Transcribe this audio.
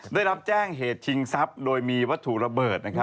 ได้รับแจ้งเหตุชิงทรัพย์โดยมีวัตถุระเบิด